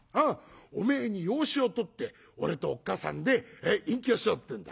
おめえに養子をとって俺とおっ母さんで隠居しようってんだ。